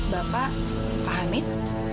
bapak pak hamid